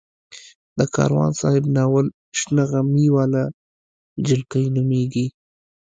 د کاروان صاحب ناول شنه غمي واله جلکۍ نومېږي.